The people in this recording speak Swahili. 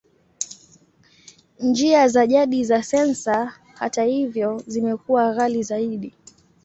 Njia za jadi za sensa, hata hivyo, zimekuwa ghali zaidi.